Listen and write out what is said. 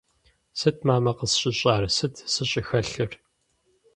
Сыт, мамэ, къысщыщӏар, сыт сыщӏыхэлъыр?